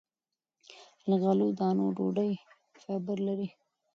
له غلو- دانو ډوډۍ فایبر لري.